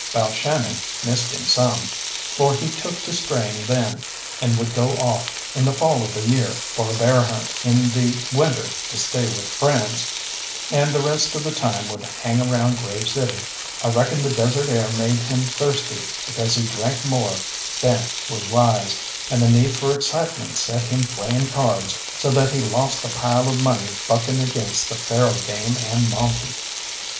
Balshannon missed him some, for he took to straying then, and would go off in the fall of the year for a bear hunt, in the winter to stay with friends, and the rest of the time would hang around Grave City. I reckon the desert air made him thirsty, because he drank more than was wise, and the need for excitement set him playing cards, so that he lost a pile of money bucking against the faro game and monte.